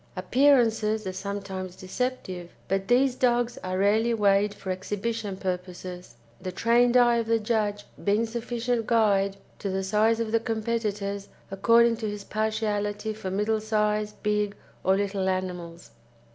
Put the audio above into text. Appearances are sometimes deceptive, but these dogs are rarely weighed for exhibition purposes, the trained eye of the judge being sufficient guide to the size of the competitors according to his partiality for middle size, big, or little animals.